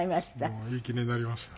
もういい記念になりました。